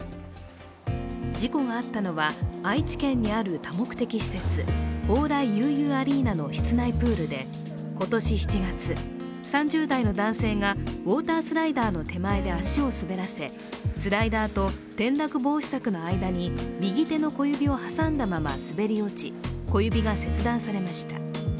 事故があったのは、愛知県にある多目的施設、鳳来ゆゆありいなの室内プールで、今年７月３０代の男性がウォータースライダーの手前で足を滑らせ、スライダーと転落防止柵の間に右手の小指を挟んだまま滑り落ち小指が切断されました。